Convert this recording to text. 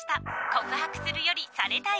告白するよりされたい？